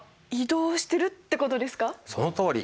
そのとおり！